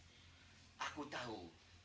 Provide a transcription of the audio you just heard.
jangan kau biarkan dirimu seperti itu